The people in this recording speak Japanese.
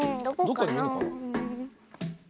どっかにいるの？